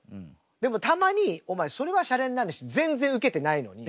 でもたまにお前それはシャレになんないし全然ウケてないのに。